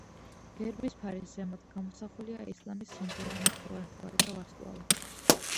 გერბის ფარის ზემოთ გამოსახულია ისლამის სიმბოლო ნახევარმთვარე და ვარსკვლავი.